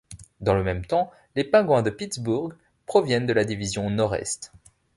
Dans le même temps, les Penguins de Pittsburgh proviennent de la division Nord-Est.